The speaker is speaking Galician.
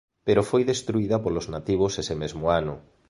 Pero foi destruída polos nativos ese mesmo ano.